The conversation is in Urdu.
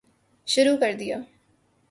شروع کردیا